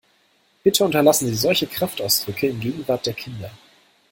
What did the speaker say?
Bitte unterlassen Sie solche Kraftausdrücke in Gegenwart der Kinder!